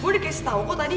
gue udah kaya setau kok tadi